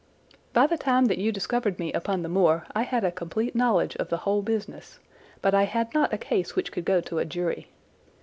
"By the time that you discovered me upon the moor I had a complete knowledge of the whole business, but I had not a case which could go to a jury.